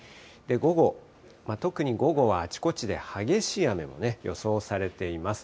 午後、特に午後はあちこちで激しい雨も予想されています。